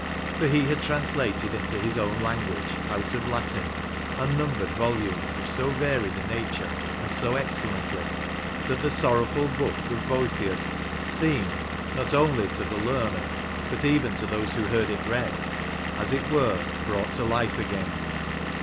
For he had translated into his own language, out of Latin, unnumbered volumes, of so varied a nature, and so ej^cellently, that the sorrowftil book of Boethius seemed, not only to the learned but even to those who heard it read, as it were brought to life again.